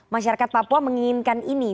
masyarakat papua menginginkan ini